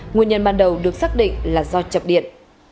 nguyên nhân ban đầu được xác định là do chập điện